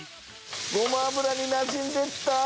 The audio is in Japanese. ごま油になじんでった。